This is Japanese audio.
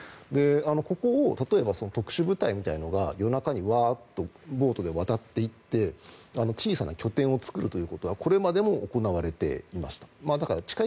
ここを例えば特殊部隊みたいなのが夜中にワーッとボートで渡っていって小さな拠点を作るということはこれまでも行われていました。